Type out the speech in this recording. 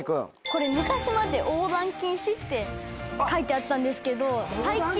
これ昔まで「横断禁止」って書いてあったんですけど最近。